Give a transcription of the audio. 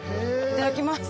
いただきます。